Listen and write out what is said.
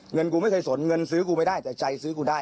กูไม่เคยสนเงินซื้อกูไม่ได้แต่ใจซื้อกูได้